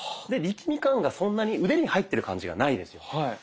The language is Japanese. で力み感がそんなに腕に入ってる感じがないですよね。